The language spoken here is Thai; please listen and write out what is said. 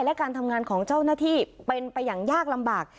และการทำงานของเจ้าหน้าที่เป็นไปอย่างยากลำบาก